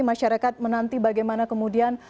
masyarakat menanti bagaimana kemudian